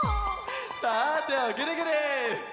さあてをぐるぐる！